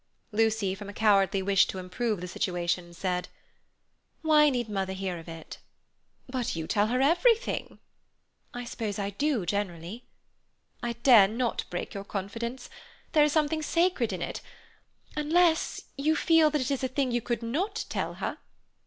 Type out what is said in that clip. Lucy, from a cowardly wish to improve the situation, said: "Why need mother hear of it?" "But you tell her everything?" "I suppose I do generally." "I dare not break your confidence. There is something sacred in it. Unless you feel that it is a thing you could not tell her."